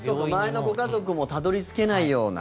周りのご家族もたどり着けないような。